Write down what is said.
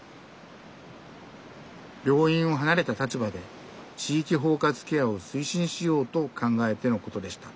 病院を離れた立場で地域包括ケアを推進しようと考えてのことでした。